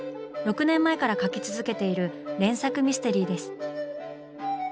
６年前から描き続けている連作ミステリーです。